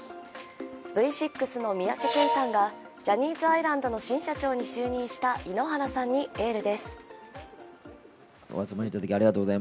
Ｖ６の三宅健さんがジャニーズアイランドの新社長に就任した井ノ原さんにエールです。